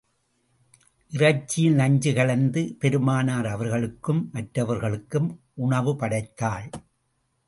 இறைச்சியில் நஞ்சு கலந்து பெருமானார் அவர்களுக்கும், மற்றவர்களுக்கும் உணவு படைத்தாள்.